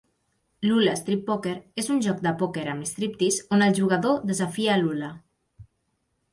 "Lula Strip Poker" és un joc de pòquer amb striptease on el jugador desafia a Lula.